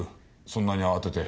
そんなに慌てて。